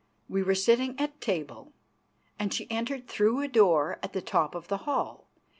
We were sitting at table, and she entered through a door at the top of the hall.